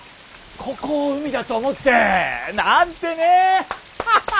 ここを海だと思ってなんてね。